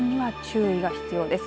車の運転には注意が必要です。